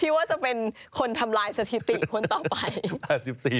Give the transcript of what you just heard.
ว่าจะเป็นคนทำลายสถิติคนต่อไป